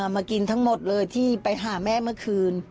มากินทั้งหมดเลยที่ไปหาแม่เมื่อคืน